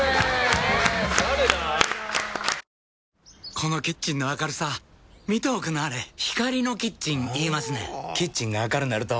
このキッチンの明るさ見ておくんなはれ光のキッチン言いますねんほぉキッチンが明るなると・・・